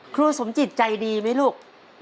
ครูสมจิตใจดีไหมลูก